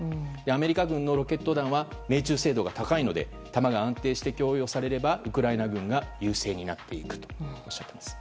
アメリカ軍のロケット弾は命中精度が高いので弾が安定して供与されればウクライナ軍が優勢になっていくとおっしゃっています。